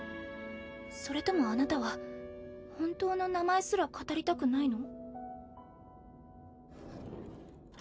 それともあなたは本当の名前すら語りたくないの？